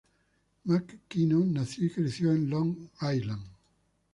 McKinnon nació y creció en Long Island.